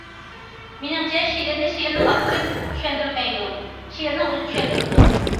مېنىڭچە، شېئىرنى شېئىرنىڭ ئاپتورى چۈشەندۈرمەيدۇ، شېئىرنىڭ ئۆزى چۈشەندۈرىدۇ.